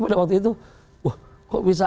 pada waktu itu wah kok bisa